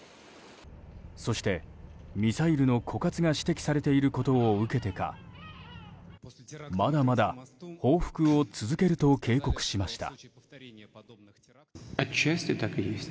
そして、ミサイルの枯渇が指摘されていることを受けてかまだまだ報復を続けると警告しました。